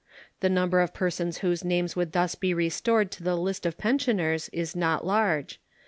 The number of persons whose names would thus be restored to the list of pensioners is not large.